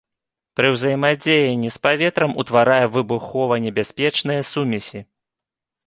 Пры ўзаемадзеянні з паветрам утварае выбухованебяспечныя сумесі.